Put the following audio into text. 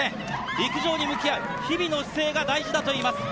陸上に向き合う日々の姿勢が大事だといいます。